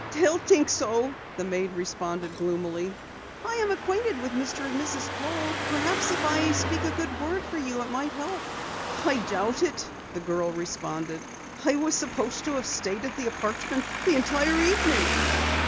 "They'll think so," the maid responded gloomily. "I am acquainted with Mr. and Mrs. Kohl. Perhaps, if I speak a good word for you it may help." "I doubt it," the girl responded. "I was supposed to have stayed at the apartment the entire evening."